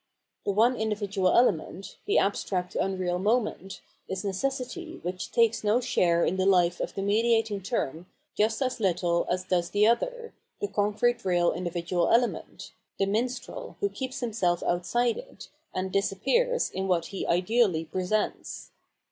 The one individual element, the abstract unreal moment, is necessity which takes no share in the life of the mediating term just as little as does the other, the concrete real individual element, the minstrel, who keeps himseM outside it, and disappears in what he ideally presents.